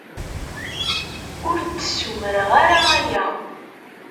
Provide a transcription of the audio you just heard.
Ur d-ssumreɣ ara aya.